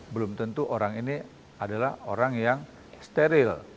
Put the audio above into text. belum tentu orang ini adalah orang yang steril